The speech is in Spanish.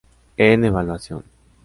En evaluación.